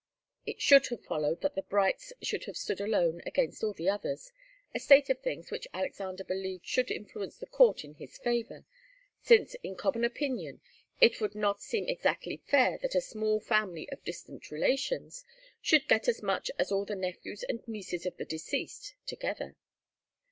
It should have followed that the Brights should have stood alone against all the others, a state of things which Alexander believed should influence the court in his favour, since in common opinion it would not seem exactly fair that a small family of distant relations should get as much as all the nephews and nieces of the deceased together.